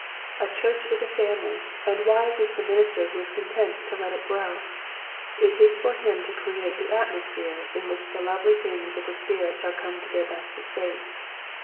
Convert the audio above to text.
A church is a family and wise is the minister who is content to let it grow. It is for him to create the atmosphere in which the lovely things of the spirit shall come to their best estate.